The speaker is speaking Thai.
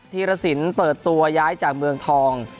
ธีรสินเปิดตัวย้ายจากเมืองทอง